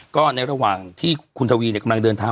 ก็ในระหว่างที่คุณทวีกำลังเดินทาง